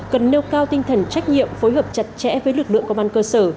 cần nêu cao tinh thần trách nhiệm phối hợp chặt chẽ với lực lượng công an cơ sở